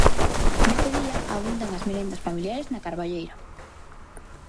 Nese día abundan as merendas familiares na carballeira.